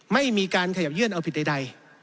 ไม่มีการขยับเยื่อนเอาผิดใด